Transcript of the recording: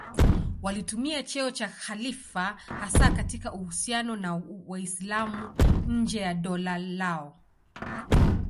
Walitumia cheo cha khalifa hasa katika uhusiano na Waislamu nje ya dola lao.